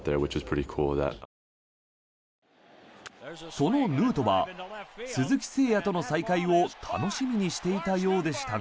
そのヌートバー鈴木誠也との再会を楽しみにしていたようでしたが。